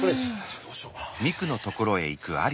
どうしよう。